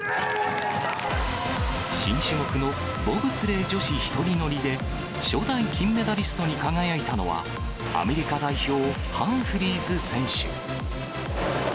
新種目のボブスレー女子１人乗りで、初代金メダリストに輝いたのは、アメリカ代表、ハンフリーズ選手。